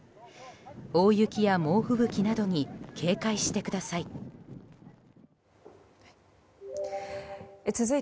大雪や猛吹雪などに警戒してください。